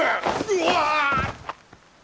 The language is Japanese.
うわ！